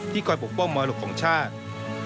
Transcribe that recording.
คอยปกป้องมรดกของชาติ